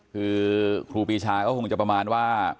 คือครูปีชาก็คงจะประมาณว่า